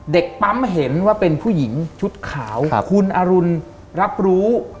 เด็กปั๊มเห็นว่าเป็นผู้หญิงชุดขาวคุณอรุณรับรู้